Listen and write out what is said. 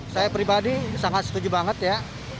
saya pribadi sangat setuju banget ya